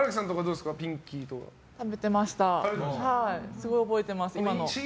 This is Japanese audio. すごい覚えてます、今の。